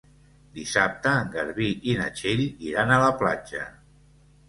Dissabte en Garbí i na Txell iran a la platja.